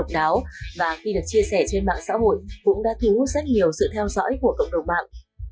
trang trí rất độc đáo và khi được chia sẻ trên mạng xã hội cũng đã thu hút rất nhiều sự theo dõi của cộng đồng bạn